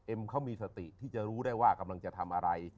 เขามีสติที่จะรู้ได้ว่ากำลังจะทำอะไร